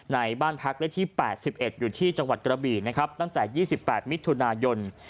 ในบ้านพักเลขที่๘๑อยู่ที่จังหวัดกระบี่นะครับตั้งแต่๒๘มิถุนายน